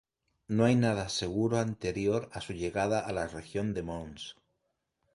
No hay nada seguro anterior a su llegada a la región de Mons.